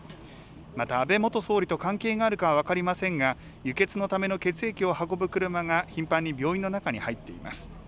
また安倍元総理と関係があるかは分かりませんが、輸血のための血液を運ぶ車が、頻繁に病院の中に入っています。